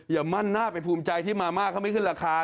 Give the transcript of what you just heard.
มั่นหน้าไปภูมิใจที่มาม่าเขาไม่ขึ้นราคา